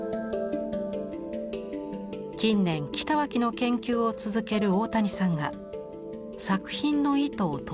近年北脇の研究を続ける大谷さんが作品の意図を解き明かしました。